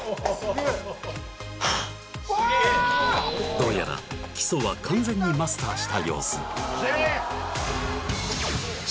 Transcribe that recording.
どうやら基礎は完全にマスターした様子よっしゃ！